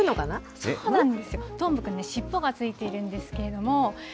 そうなんですよ、どーもくん、尻尾がついているんですけど。